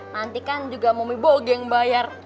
nanti kan juga momi boge yang bayar